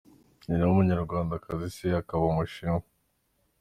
Nyina ni Umunyarwandakazi, Se akaba Umushinwa.